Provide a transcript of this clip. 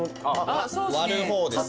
割る方ですね。